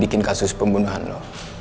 dikin kasus pembunuhan lo